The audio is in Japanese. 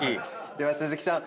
では鈴木さん